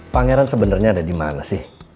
pangeran sebenarnya ada dimana sih